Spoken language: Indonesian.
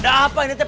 ada apa ini teh